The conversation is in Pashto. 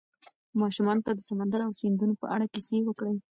ماشومانو ته د سمندر او سیندونو په اړه کیسې وکړئ.